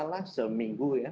lah seminggu ya